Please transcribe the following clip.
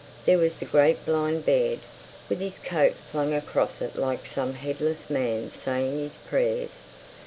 There was the great blind bed, with his coat flung across it like some headless man saying his prayers.